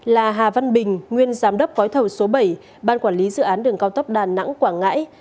là hà văn bình nguyên giám đốc gói thầu số bảy ban quản lý dự án đường cao tốc đà nẵng quảng ngãi